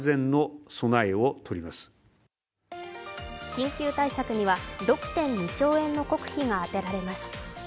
緊急対策には６．２兆円の国費が充てられます。